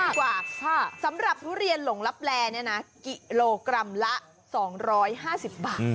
ค่ะสำหรับทุเรียนหลงลับแรลเนี่ยน่ะกิโลกรัมละสองร้อยห้าสิบบาท